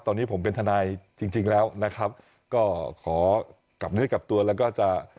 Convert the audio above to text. ตอนนี้ผมเป็นทนายจริงจริงแล้วนะครับก็ขอกลับเนื้อกลับตัวแล้วก็จะ